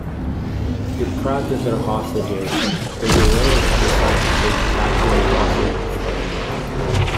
Deprived of their hostages, the guerrillas decide to take Tarquin hostage instead.